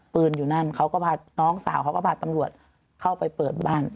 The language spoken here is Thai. อยู่นั่นเขาก็พาน้องสาวเขาก็พาตำรวจเข้าไปเปิดบ้าน